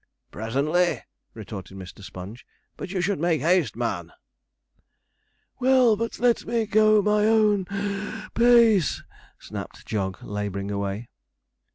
'Presently!' retorted Mr. Sponge. 'But you should make haste, man.' 'Well, but let me go my own (puff) pace,' snapped Jog, labouring away.